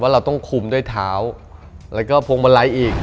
ว่าเราต้องคุมด้วยเท้าแล้วก็โพงมะไรอีก